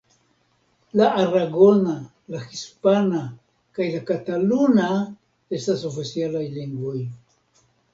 La aragona, la hispana kaj la kataluna estas oficialaj lingvoj.